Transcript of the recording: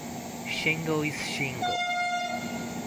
Shango is Shango.